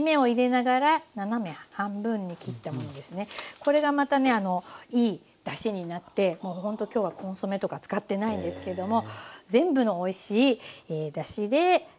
これがまたねいいだしになってもうほんと今日はコンソメとか使ってないんですけども全部のおいしいだしで煮ていきます。